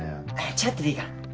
ちょっとでいいから。